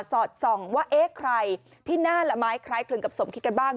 สอดส่องว่าเอ๊ะใครที่หน้าละไม้คล้ายคลึงกับสมคิดกันบ้าง